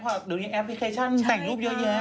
อีกแล้วแอปพลิเคชันแต่งรูปเยอะแยะ